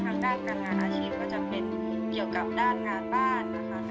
ด้านความรู้ทางด้านการงานอาชีพก็จะเป็นที่เกี่ยวกับด้านงานบ้านนะคะ